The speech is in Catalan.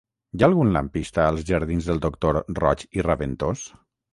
Hi ha algun lampista als jardins del Doctor Roig i Raventós?